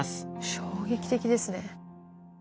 衝撃的ですね。